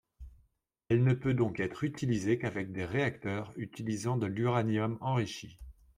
Elle ne peut donc être utilisée qu'avec des réacteurs utilisant de l’uranium enrichi.